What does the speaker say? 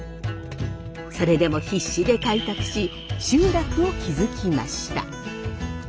それでも必死で開拓し集落を築きました。